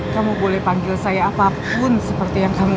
kamu boleh panggil saya apapun seperti yang kamu